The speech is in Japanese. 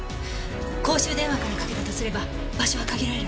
公衆電話からかけたとすれば場所は限られるはず。